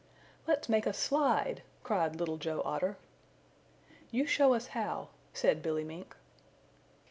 "Let's make a slide," cried Little Joe Otter. "You show us how," said Billy Mink.